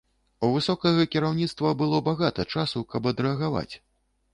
У высокага кіраўніцтва было багата часу, каб адрэагаваць.